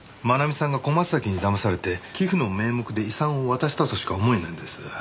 真奈美さんが小松崎にだまされて寄付の名目で遺産を渡したとしか思えないんです。